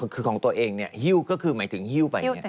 คือของตัวเองเนี่ยฮิ้วก็คือหมายถึงฮิ้วไป